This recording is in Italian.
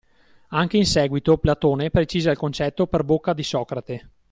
Anche in seguito, Platone precisa il concetto per bocca di Socrate